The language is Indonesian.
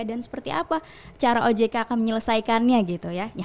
dan seperti apa cara ojk akan menyelesaikannya gitu ya